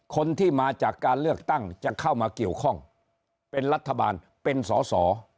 คนที่มาจากการเลือกตั้งจะเข้ามาเกี่ยวข้องเป็นรัฐบาลเป็นสอสอ